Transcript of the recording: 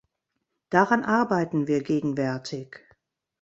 Daran arbeiten wir gegenwärtig.